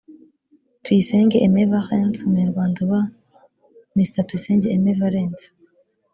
tuyisenge aim valens umunyarwanda uba mr tuyisenge aim valens